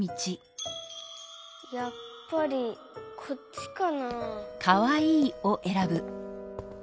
やっぱりこっちかなあ？